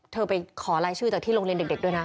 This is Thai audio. ไปขอรายชื่อจากที่โรงเรียนเด็กด้วยนะ